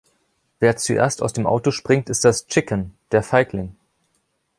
Wer zuerst aus dem Auto springt, ist das „chicken“, der Feigling.